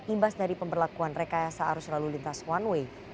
imbas dari pemberlakuan rekayasa arus lalu lintas one way